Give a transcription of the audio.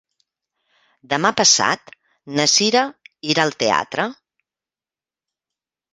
Demà passat na Cira irà al teatre.